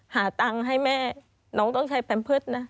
หาตังค์ให้แม่น้องต้องใช้แพมเพิร์ตนะ